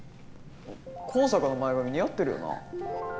向坂の前髪似合ってるよな？